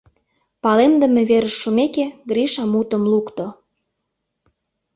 Палемдыме верыш шумеке, Гриша мутым лукто.